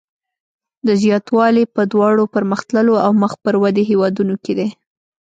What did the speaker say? دا زیاتوالی په دواړو پرمختللو او مخ پر ودې هېوادونو کې دی.